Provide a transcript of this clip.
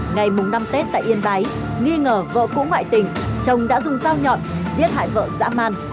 ngày mùng năm tết tại yên bái nghi ngờ vợ cũ ngoại tình chồng đã dùng sao nhọn giết hại vợ dã man